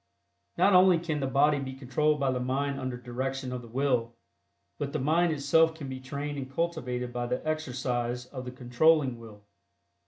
Not only can the body be controlled by the mind under direction of the will, but the mind itself can be trained and cultivated by the exercise of the controlling will.